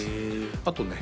あとね